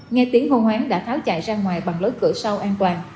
nghe tiếng hô hoáng đã tháo chạy ra ngoài bằng lối cửa sau an toàn